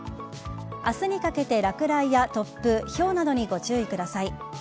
明日にかけて落雷や突風ひょうなどにご注意ください。